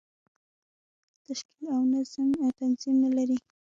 تشکیل او تنظیم نه لري.